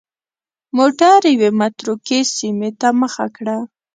موټر یوې متروکې سیمې ته مخه کړه.